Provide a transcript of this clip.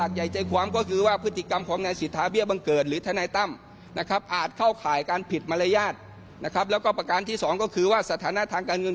เขาบอกว่ามีค่าเดินทางเหยียบบ้านกอกน่ะ๕แสน